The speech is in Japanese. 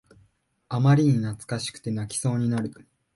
あまりに懐かしくて泣きそうになる